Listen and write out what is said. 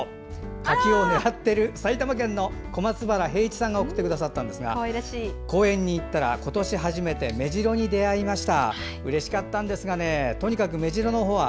柿を狙っている埼玉県の小松原平市さんが送ってくださった公園に行ったら今年初めてメジロに出会いました。